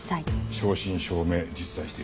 正真正銘実在している。